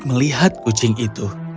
namun doroth tidak mencari kucing itu